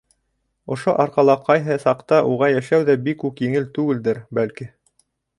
Ошо арҡала ҡайһы саҡта уға йәшәү ҙә бик үк еңел түгелдер, бәлки.